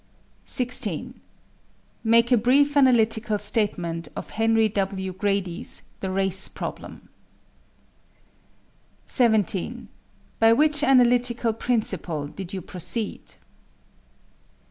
16. Make a brief analytical statement of Henry W. Grady's "The Race Problem," page 36. 17. By what analytical principle did you proceed?